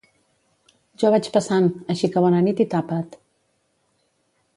Jo vaig passant, així que bona nit i tapa't.